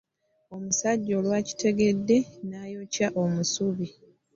Omusajja olwakitegedde n'ayokya omusubi.